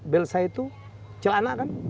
bel saya itu celana kan